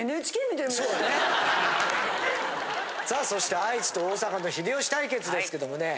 さあそして愛知と大阪の秀吉対決ですけどもね